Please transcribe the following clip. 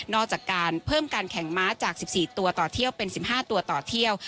อกจากการเพิ่มการแข่งม้าจาก๑๔ตัวต่อเที่ยวเป็น๑๕ตัวต่อเที่ยว